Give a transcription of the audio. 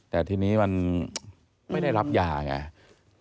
แต่ทีนี้มันไม่ได้รับยาไง